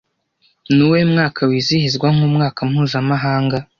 Nuwuhe mwaka wizihizwa nkumwaka mpuzamahanga